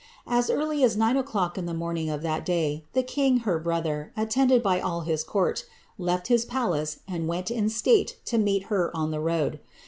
As early as nine :lock on the morning of that day, the king, her brother, attended by his court, led his palace, and went in state to meet her on the road.